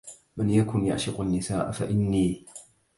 من يكن يعشق النساء فإني